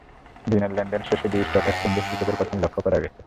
দিনের লেনদেন শেষে দুই স্টক এক্সচেঞ্জেই সূচকের পতন লক্ষ করা গেছে।